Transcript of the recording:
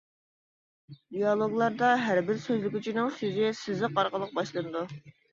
دىيالوگلاردا ھەربىر سۆزلىگۈچىنىڭ سۆزى سىزىق ئارقىلىق باشلىنىدۇ.